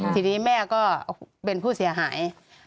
ทีนี้แม่ก็เป็นผู้เสียหาย